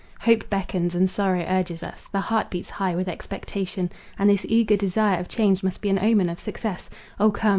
Hope beckons and sorrow urges us, the heart beats high with expectation, and this eager desire of change must be an omen of success. O come!